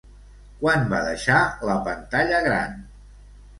Quan va deixar la pantalla gran?